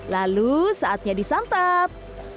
lalu saatnya disantap